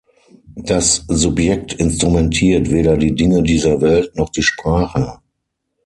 Das Subjekt instrumentiert weder die Dinge dieser Welt noch die Sprache.